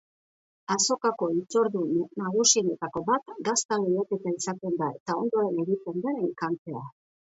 Azokako hitzordu nagusienetako bat gazta lehiaketa izaten da eta ondoren egiten den enkantea.